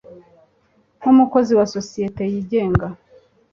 nk umukozi wa sosiyete y'igenga